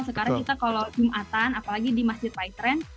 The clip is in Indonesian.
sekarang kita kalau jum atan apalagi di masjid paitrend